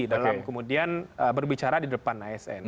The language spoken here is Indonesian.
dalam kemudian berbicara di depan asn